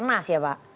mukernas ya pak